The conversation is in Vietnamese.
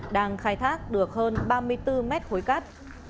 đang khai thác được hơn ba mươi bốn mét khối cát